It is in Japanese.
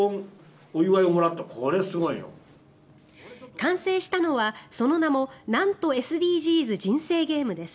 完成したのは、その名も「なんとＳＤＧｓ人生ゲーム」です。